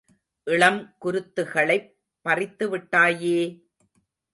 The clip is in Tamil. இளம் குருத்துகளைப் பறித்துவிட்டாயே!